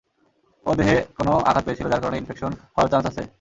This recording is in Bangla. ও দেহে কোনও আঘাত পেয়েছিল যার কারণে ইনফেকশন হওয়ার চান্স আছে?